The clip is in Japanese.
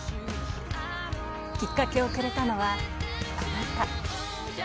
きっかけをくれたのは、あなた。